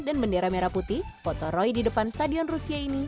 dan bendera merah putih foto roy di depan stadion rusia ini